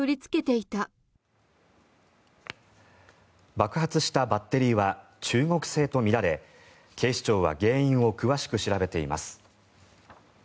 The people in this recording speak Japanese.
爆発したバッテリーは中国製とみられ警視庁は原因を詳しく調べています。